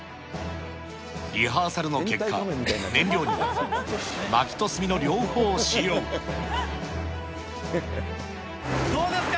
リハーサルの結果、どうですか？